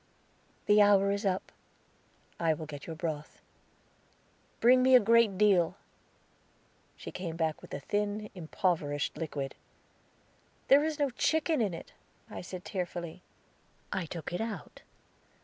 "The hour is up; I will get your broth." "Bring me a great deal." She came back with a thin, impoverished liquid. "There is no chicken in it," I said tearfully. "I took it out."